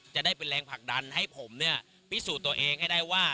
จะได้เป็นแรงผลักดันให้ผมเนี่ยพิสูจน์ตัวเองให้ได้ว่า